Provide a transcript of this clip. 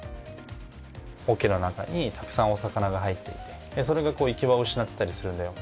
「桶の中にたくさんお魚が入っていてそれが行き場を失ってたりするんだよ」。